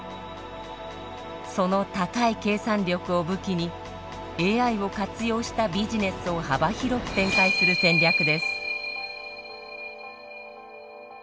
その高い計算力を武器にＡＩを活用したビジネスを幅広く展開する戦略です。